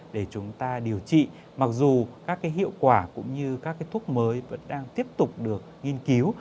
để chúng ta điều trị mặc dù các hiệu quả cũng như các thuốc mới vẫn đang tiếp tục được nghiên cứu